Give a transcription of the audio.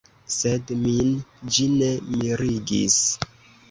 Sed min ĝi ne mirigis.